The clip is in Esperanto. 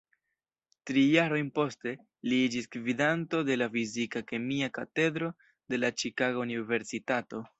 Tri jarojn poste, li iĝis gvidanto de la fizika-kemia katedro de la Ĉikaga Universitato.